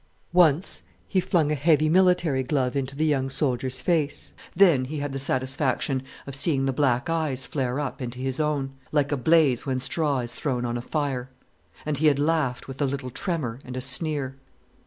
Once he flung a heavy military glove into the young soldier's face. Then he had the satisfaction of seeing the black eyes flare up into his own, like a blaze when straw is thrown on a fire. And he had laughed with a little tremor and a sneer.